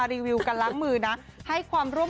ที่เราต้องล้างมือไปตลอดเวลา